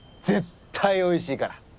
絶対おいしいから！